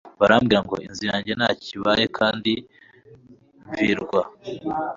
barambwira ngo inzu yajye ntacyo ibaye kandi mvirwa,